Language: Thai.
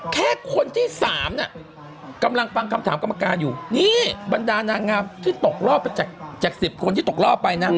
แค่คนที่๓น่ะกำลังฟังคำถามกรรมการอยู่นี่บรรดานางงามที่ตกรอบจาก๑๐คนที่ตกรอบไปนะ